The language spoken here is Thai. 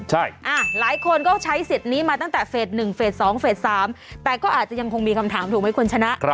หลายคนก็ใช้สิทธิ์นี้มาตั้งแต่เฟส๑เฟส๒เฟส๓แต่ก็อาจจะยังคงมีคำถามถูกไหมคุณชนะ